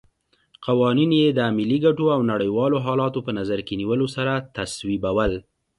قوانین یې د ملي ګټو او نړیوالو حالاتو په نظر کې نیولو سره تصویبول.